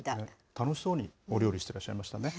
楽しそうにお料理してらっしゃいましたね。